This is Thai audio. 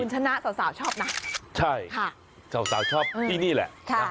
คุณชนะว่าสาวชอบนะ